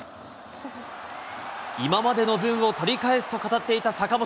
今までの分を取り返すと語っていた坂本。